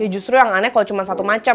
ya justru yang aneh kalo cuma satu macem